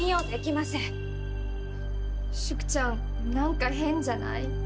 淑ちゃんなんか変じゃない？